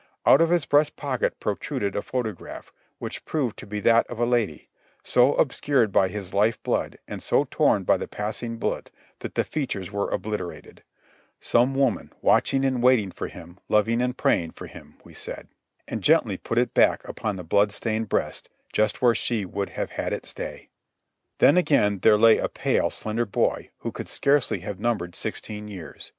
Out of his breast pocket protruded a photograph, which proved to be that of a lady, so obscured by his life blood, and so torn by the passing bullet that the features were obliterated; some woman "watching and waiting for him — loving and praying for him," we said; and gently put it back upon the blood stained breast, just where she would have had it stay. Then again there lay a pale, slender boy, who could scarcely have numbered sixteen years.